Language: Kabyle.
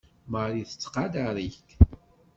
Marie tettqadar-ik.